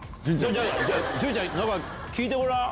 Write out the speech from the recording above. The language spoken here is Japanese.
潤ちゃん何か聞いてごらん。